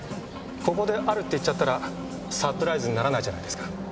ここで「ある」って言っちゃったらサプライズにならないじゃないですか。